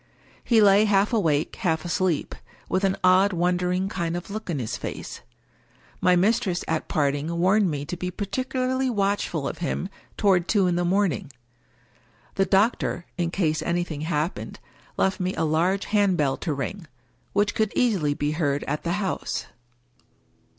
He lay half awake, half asleep, with an odd wondering kind of look in his face. My mistress at parting warned me to be particularly watchful of him toward two in the morning. The doctor (in case anything happened) left me a large hand bell to ring, which could easily be heard at the house.